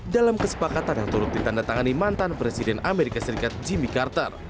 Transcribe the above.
dalam kesepakatan yang turut ditandatangani mantan presiden amerika serikat jimmy carter